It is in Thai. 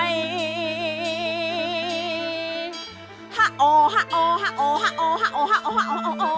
รแลกดาลเซาเมนสีสีสุดยอด